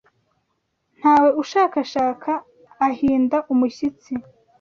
Ntawe ushakashaka ahinda umushyitsi